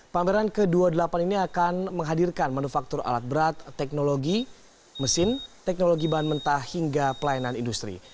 pameran ke dua puluh delapan ini akan menghadirkan manufaktur alat berat teknologi mesin teknologi bahan mentah hingga pelayanan industri